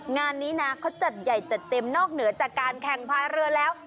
งานนี้นะเขาจัดใหญ่จัดเต็มนอกเหนือจากการแข่งพายเรือแล้ว